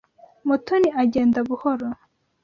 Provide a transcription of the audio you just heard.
Mutoni agenda buhoro.